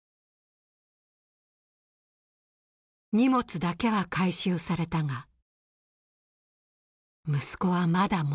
荷物だけは回収されたが息子はまだ戻っていない。